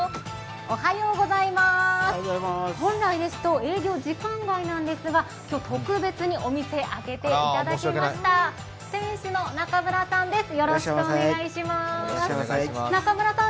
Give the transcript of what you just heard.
本来ですと営業時間外なんですが今日、特別にお店開けていただきました。